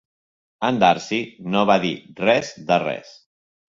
En Darcy no va dir res de res.